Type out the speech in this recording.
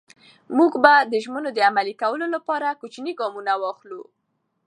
موږ به د ژمنو عملي کولو لپاره کوچني ګامونه واخلو.